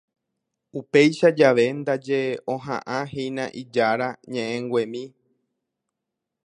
Upéicha jave ndaje oha'ãhína ijára ñe'ẽnguemi